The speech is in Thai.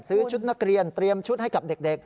ชุดนักเรียนเตรียมชุดให้กับเด็ก